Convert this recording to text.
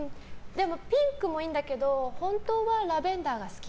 でもピンクもいいんだけど本当はラベンダーが好き。